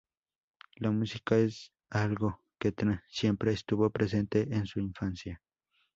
La música es algo que siempre estuvo presente en su infancia.